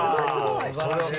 素晴らしい。